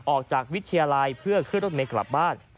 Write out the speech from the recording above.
ออกจากวิทยาลัยเพื่อเครื่องรถเม็ดกลับบ้าน